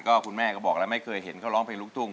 คุณแม่ก็บอกแล้วไม่เคยเห็นเขาร้องเพลงลูกทุ่ง